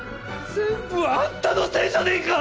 全部あんたのせいじゃねえか！